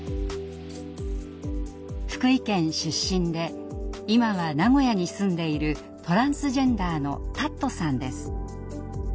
福井県出身で今は名古屋に住んでいるトランスジェンダーのたっとさんです。